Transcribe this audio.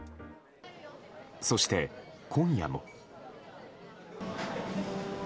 そして今夜も。